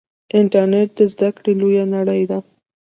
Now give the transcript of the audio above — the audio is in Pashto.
انټرنیټ د زده کړې لویه نړۍ ده.